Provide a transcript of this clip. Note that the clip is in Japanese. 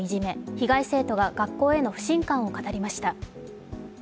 被害生徒が学校への不信感を語りました。